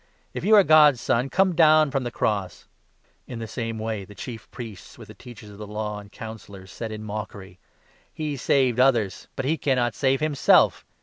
If you are God's Son, come down from the cross !" In the same way the Chief Priests, with the Teachers of the 41 Law and Councillors, said in mockery :" He saved others, but he cannot save himself!